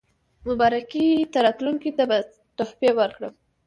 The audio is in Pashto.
مبارکۍ ته راتلونکو ته به تحفې ورکړم.